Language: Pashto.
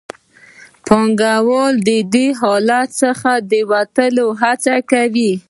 پانګوال د دې حالت څخه د وتلو هڅه کوي